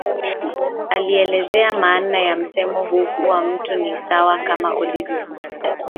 Alielezea maana ya msemo huu kuwa mtu ni sawa kama ulivyo mtu